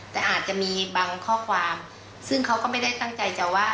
แต่อาจจะมีบางข้อความซึ่งเขาก็ไม่ได้ตั้งใจจะว่า